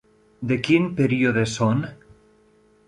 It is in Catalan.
De quin període són?